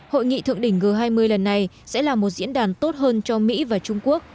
hội nghị thượng đỉnh g hai mươi lần này sẽ là một diễn đàn tốt hơn cho mỹ và trung quốc